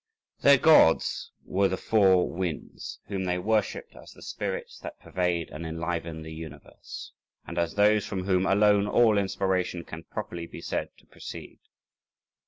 Their gods were the four winds, whom they worshipped as the spirits that pervade and enliven the universe, and as those from whom alone all inspiration can properly be said to proceed.